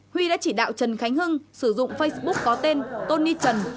huy đã chỉ đạo trần khánh hưng sử dụng facebook có tên tony trần